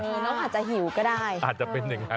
น้องอาจจะหิวก็ได้อาจจะเป็นอย่างนั้น